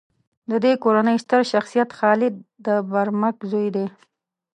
د دې کورنۍ ستر شخصیت خالد د برمک زوی دی.